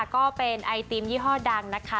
ก็เป็นไอติมยี่ห้อดังนะคะ